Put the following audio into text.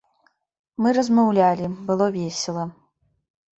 Мы размаўлялі, было весела.